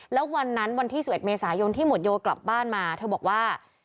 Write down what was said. แล้ววันนั้นวันที่๑๑เมษายนที่หมวดโยกลับบ้านมาเธอบอกว่า